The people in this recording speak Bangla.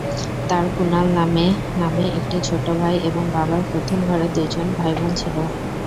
তার কুনাল নামে নামে একটি ছোট ভাই এবং বাবার প্রথম ঘরের দুই জন ভাইবোন ছিলো।